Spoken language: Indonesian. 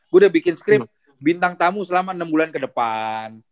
gue udah bikin script bintang tamu selama enam bulan ke depan